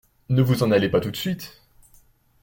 Ne vous en allez pas tout de suite.